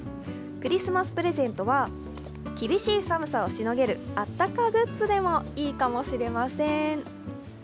クリスマスプレゼントは厳しい寒さをしのげるあったかグッズでもいいかもしれません。